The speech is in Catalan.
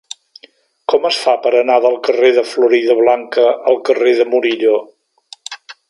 Com es fa per anar del carrer de Floridablanca al carrer de Murillo?